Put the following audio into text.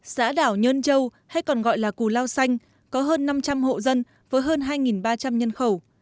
xã đảo nhơn châu hay còn gọi là cù lao xanh có hơn năm trăm linh hộ dân với hơn hai ba trăm linh nhân khẩu